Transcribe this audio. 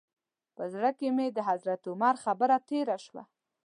په زړه کې مې د حضرت عمر خبره تېره شوه.